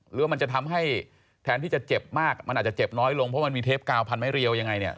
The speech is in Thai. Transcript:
หรือว่ามันจะทำให้แทนที่จะเจ็บมากมันอาจจะเจ็บน้อยลงเพราะมันมีเทปกาวพันไม้เรียวยังไงเนี่ย